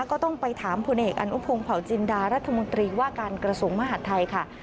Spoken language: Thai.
ก็ต้องไปถามพลเอกอนุพงศ์เผาจินดารัฐมนตรีว่าการกระทรวงมหาดไทยค่ะ